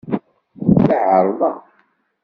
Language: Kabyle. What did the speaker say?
La ɛerrḍeɣ.